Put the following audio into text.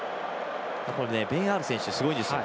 ベン・アール選手すごいですよ。